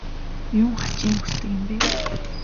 Юун хачин юм хүсдэг юм бэ?